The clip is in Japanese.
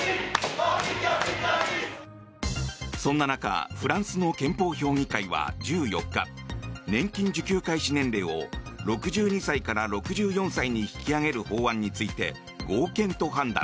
そんな中フランスの憲法評議会は１４日年金受給開始年齢を６２歳から６４歳に引き上げる法案について合憲と判断。